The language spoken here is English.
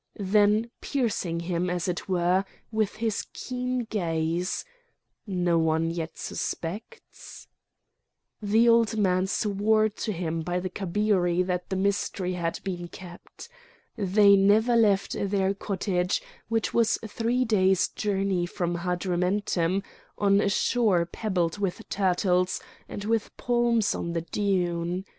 Then piercing him, as it were, with his keen gaze: "No one yet suspects?" The old man swore to him by the Kabiri that the mystery had been kept. They never left their cottage, which was three days' journey from Hadrumetum, on a shore peopled with turtles, and with palms on the dune.